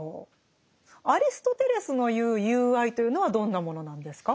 アリストテレスの言う「友愛」というのはどんなものなんですか？